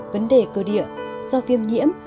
vấn đề cơ địa do viêm nhiễm